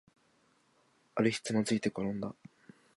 ある日、つまずいてころんだ